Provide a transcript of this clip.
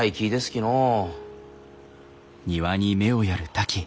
きのう。